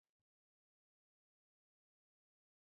He noticed that the inner skin was hard.